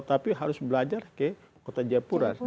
tapi harus belajar ke kota jayapura